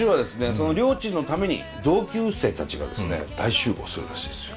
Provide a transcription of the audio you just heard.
そのりょーちんのために同級生たちがですね大集合するらしいですよ。